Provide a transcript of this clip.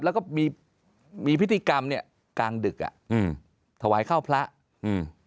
แล้วก็มีมีพิธีกรรมเนี้ยกลางดึกอ่ะอืมถวายเข้าพระอืม